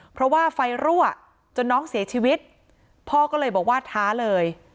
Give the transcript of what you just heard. เพราะว่าไฟรั่วจนน้องเสียชีวิตพ่อก็เลยบอกว่าท้าเลย